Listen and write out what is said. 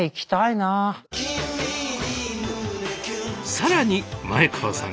更に前川さん